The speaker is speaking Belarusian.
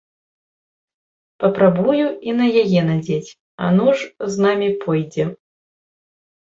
Папрабую і на яе надзець, а ну ж з намі пойдзе.